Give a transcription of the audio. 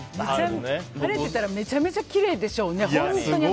晴れてたらめちゃめちゃきれいでしょうね。